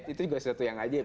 itu juga sesuatu yang wajar